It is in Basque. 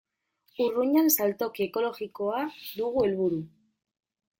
Urruñan saltoki ekologikoa dugu helburu.